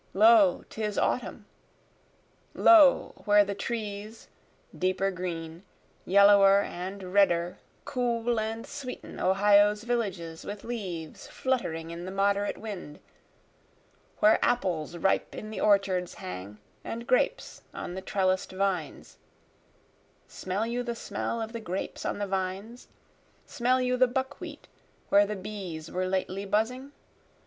Lo, 'tis autumn, Lo, where the trees, deeper green, yellower and redder, Cool and sweeten Ohio's villages with leaves fluttering in the moderate wind, Where apples ripe in the orchards hang and grapes on the trellis'd vines, (Smell you the smell of the grapes on the vines? Smell you the buckwheat where the bees were lately buzzing?)